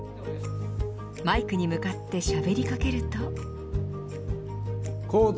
マイクに向かってしゃべりかけると。